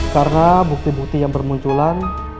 karena bukti bukti yang bermunculan